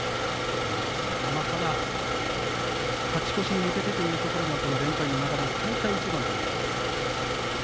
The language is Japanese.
ただ勝ち越しに向けてというところで、この連敗の流れを変えたい一番です。